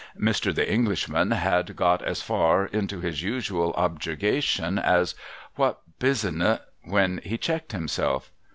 Mr. The Englishman had got as far into his usual objurgation as, ' What bu — si —' when he checked himself.